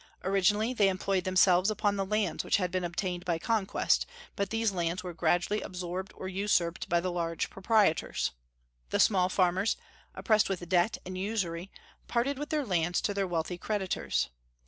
Originally, they employed themselves upon the lands which had been obtained by conquest; but these lands were gradually absorbed or usurped by the large proprietors. The small farmers, oppressed with debt and usury, parted with their lands to their wealthy creditors.